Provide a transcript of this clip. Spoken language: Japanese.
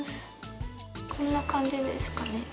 こんな感じですかね。